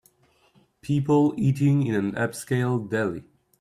People eating in an upscale deli.